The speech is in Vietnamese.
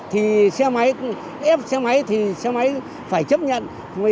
thì xe máy ép xe máy thì xe máy phải chấp nhận